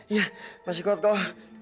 iya masih kuat kok